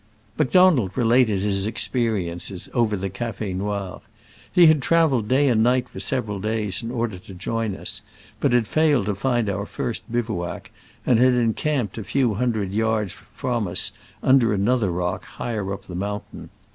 * Macdonald related his experiences over the cafe noir. He had traveled R. J. S. MACDONALD. day and night for several days in order to join us, but had failed to find our first bivouac, and had encamped a few hundred yards from us under another rock, higher up the mountain.